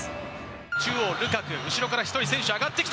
中央、ルカク、後ろから１人選手上がってきた。